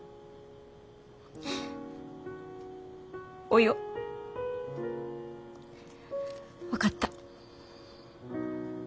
およ分かった。